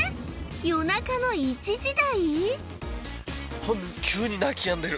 夜中の１時台？